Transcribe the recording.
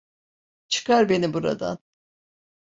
Çıkar beni buradan!